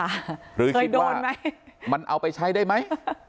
เคยโดนหรือว่าเลยคิดว่ามันเอาไปใช้ได้ไหม